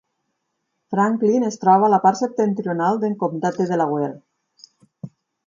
Franklin es troba a la part septentrional del comptat de Delaware.